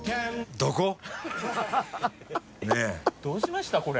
どうしました？